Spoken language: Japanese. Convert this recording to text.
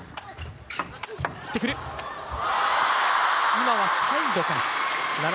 今はサイドか。